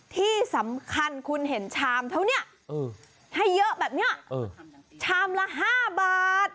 ที่สำคัญคุณเห็นชามเท่านี้ให้เยอะแบบนี้ชามละ๕บาท